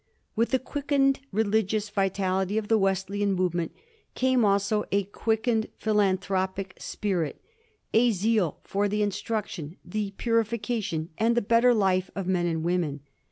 With the quickened relig ious vitality of the Wesleyan movement came also a quick ened philanthropic spirit ; a zeal for the instruction, the purification, and the better life of men and women.